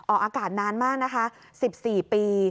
ออกอากาศนานมากนะคะ๑๔ปี